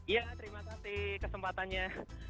iya terima kasih kesempatannya